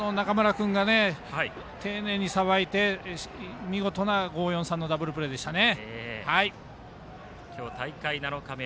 サードの中村君が丁寧にさばいて見事な５−４−３のダブルプレーでしたね。